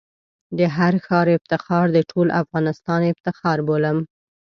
د هر ښار افتخار د ټول افغانستان افتخار بولم.